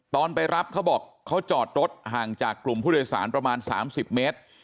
ตอนไปรับเขาบอกเขาจอดรถห่างจากกลุ่มผู้โดยสารประมาณ๓๐เมตร